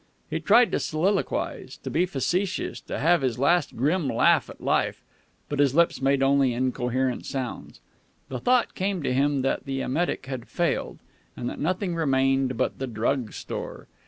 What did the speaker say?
He tried to soliloquize, to be facetious, to have his last grim laugh at life, but his lips made only incoherent sounds. The thought came to him that the emetic had failed, and that nothing remained but the drug store.